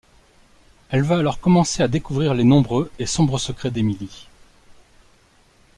Elle va alors commencer à découvrir les nombreux et sombres secrets d'Emily.